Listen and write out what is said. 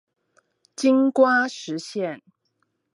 金瓜石線